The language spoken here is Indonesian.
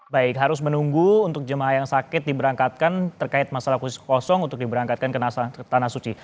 baik harus menunggu untuk jemaah yang sakit diberangkatkan terkait masalah khusus kosong untuk diberangkatkan ke tanah suci